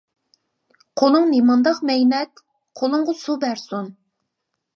قولۇڭ نېمانداق مەينەت، قولۇڭغا سۇ بەرسۇن.